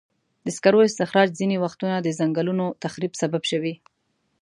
د سکرو استخراج ځینې وختونه د ځنګلونو تخریب سبب شوی.